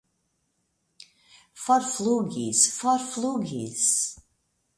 Forflugis, forflugis!